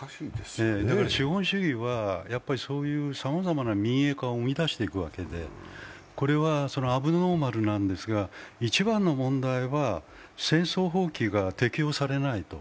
資本主義はさまざまな民営化を生み出していくわけでこれはアブノーマルなんですが一番の問題は戦争放棄が適用されないと。